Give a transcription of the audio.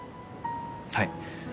はい。